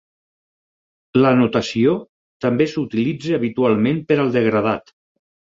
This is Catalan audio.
La notació també s'utilitza habitualment per al degradat.